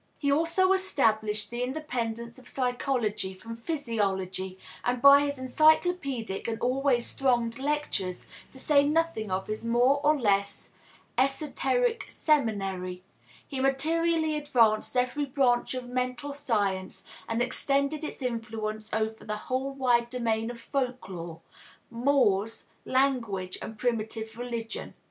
He also established the independence of psychology from physiology, and by his encyclopedic and always thronged lectures, to say nothing of his more or less esoteric seminary, he materially advanced every branch of mental science and extended its influence over the whole wide domain of folklore, mores, language, and primitive religion.